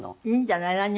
いいんじゃない？